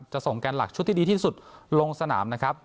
ส่งแกนหลักชุดที่ดีที่สุดลงสนามนะครับ